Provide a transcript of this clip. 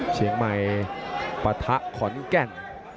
เชียงใหม่ปะทะขอนแก่น